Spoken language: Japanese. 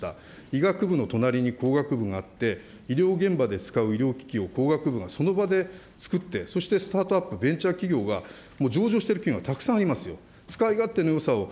医学部の隣に工学部があって、医療現場で使う医療機器を工学部がその場で作って、そしてスタートアップ、ベンチャー企業がもう上場している企業、たくさんありますよ。